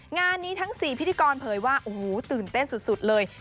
งานนี้ทั้ง๔พิธีกรเผยว่าโอ้โหตื่นเต้นสุดเลย